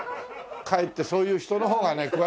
かえってそういう人の方がね詳しいんですよ。